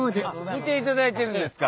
見ていただいてるんですか？